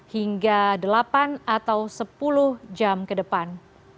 hingga delapan atau sepuluh jam ke depan